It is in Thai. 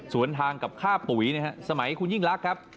สวนทางกับค่าปุ๋ยนะครับสมัยคุณยิ่งรักครับ